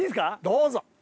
どうぞ。